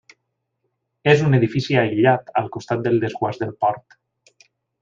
És un edifici aïllat, al costat del desguàs del port.